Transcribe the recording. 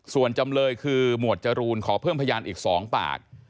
ส่วนจำเลยคือหมวดจรูนขอเพิ่มพยานอีก๒ปาก